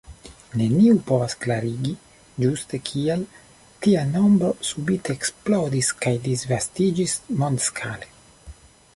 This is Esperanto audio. Neniu povas klarigi ĝuste kial tia nombro subite eksplodis kaj disvastiĝis mondskale.